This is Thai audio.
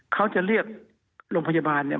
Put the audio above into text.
เขาจะเรียกโรงพยาบาลเนี่ย